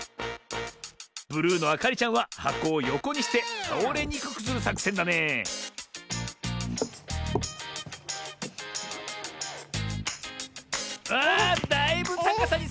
ブルーのあかりちゃんははこをよこにしてたおれにくくするさくせんだねあだいぶたかさにさがでてきたな。